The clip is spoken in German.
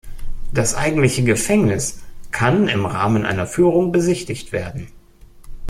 Das eigentliche Gefängnis kann, im Rahmen einer Führung, besichtigt werden.